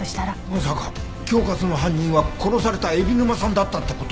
まさか恐喝の犯人は殺された海老沼さんだったって事？